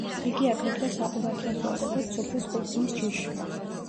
იგი აგრეთვე საყურადღებოა, როგორც სუფრის ყურძნის ჯიში.